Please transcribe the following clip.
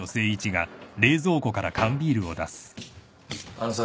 あのさ。